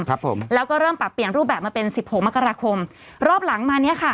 ครับผมแล้วก็เริ่มปรับเปลี่ยนรูปแบบมาเป็นสิบหกมกราคมรอบหลังมาเนี้ยค่ะ